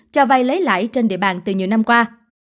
cho vai lấy lại trên địa bàn từ nhiều năm qua